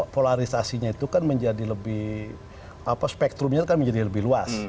polarisasinya itu kan menjadi lebih spektrumnya kan menjadi lebih luas